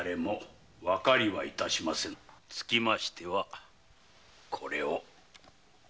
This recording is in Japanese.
つきましてはこれを。